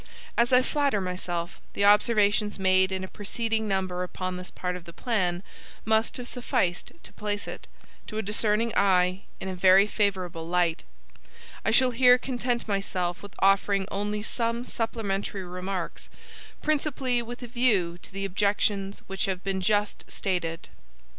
As I flatter myself the observations made in a preceding number upon this part of the plan must have sufficed to place it, to a discerning eye, in a very favorable light, I shall here content myself with offering only some supplementary remarks, principally with a view to the objections which have been just stated.